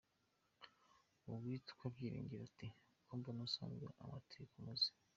Uwitwa Byiringiro ati : "Ko mbona usazanye amatiku muze ?